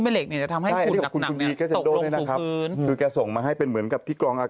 ไม่ใช่ว่าที่เราสูดดมเข้าไปก็คือผู้กล้อง